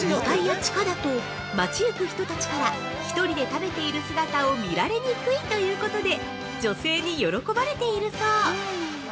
◆２階や地下だと街行く人たちから１人で食べている姿を見られにくいということで、女性に喜ばれているそう！